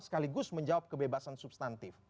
sekaligus menjawab kebebasan substantif